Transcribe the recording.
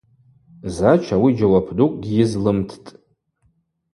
Зач ауи джьауап дукӏ гьйызлымттӏ.